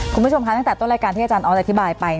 คุณผู้ชมคะตั้งแต่ต้นรายการที่อาจารย์ออสอธิบายไป